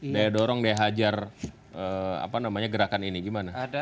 daya dorong daya hajar gerakan ini gimana